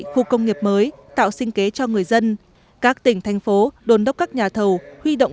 khu công nghiệp mới tạo sinh kế cho người dân các tỉnh thành phố đồn đốc các nhà thầu huy động